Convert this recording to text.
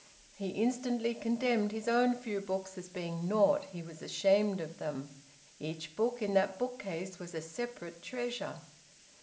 He instantly condemned his own few books as being naught; he was ashamed of them. Each book in that bookcase was a separate treasure.